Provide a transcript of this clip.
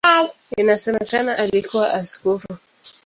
Inasemekana alikuwa askofu.